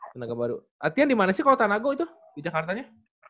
tenaga baru artinya dimana sih kalo tanago itu di jakartanya